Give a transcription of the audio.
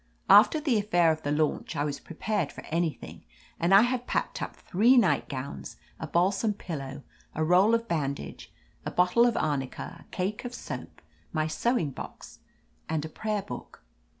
After the affair of the launch I was pre pared for anything, and I had packed up three nightgowns, a balsam pillow, a roll of band age, a bottle of arnica, a cake of soap, my sewing box and a prayer book.